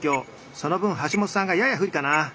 その分橋本さんがやや不利かなぁ。